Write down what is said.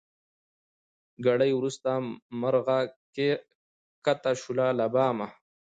ګړی وروسته مرغه کښته سو له بامه